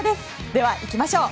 では、いきましょう！